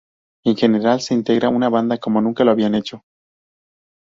En general se integra una banda como nunca lo habían hecho.